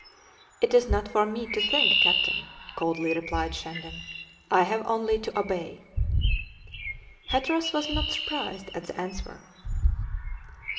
"It is not for me to think, captain," coldly replied Shandon; "I have only to obey." Hatteras was not surprised at the answer.